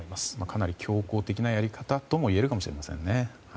かなり強硬的なやり方ともいえるかもしれませんね。